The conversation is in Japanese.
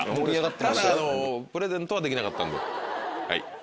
ただプレゼントはできなかった。